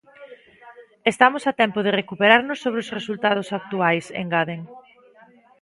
Estamos a tempo de recuperarnos sobre os resultados actuais, engaden.